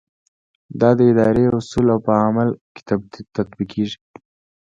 دا د ادارې اصول په عمل کې تطبیقوي.